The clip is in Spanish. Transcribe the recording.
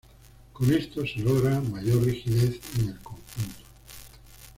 Con esto se logra mayor rigidez en el conjunto.